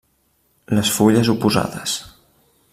Les fulles oposades.